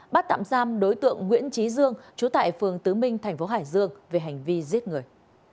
bắt tạm giam đối tượng nguyễn trí dương trú tại phường tứ minh thành phố hải dương về hành vi giết người